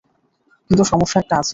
কিন্তু, সমস্যা একটা আছেই।